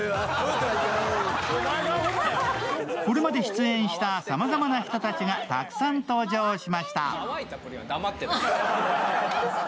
これまで出演したさまざまな人たちがたくさん登場しました。